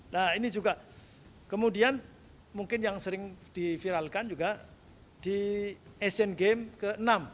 nah ini juga kemudian mungkin yang sering diviralkan juga di asian games ke enam seribu sembilan ratus enam puluh dua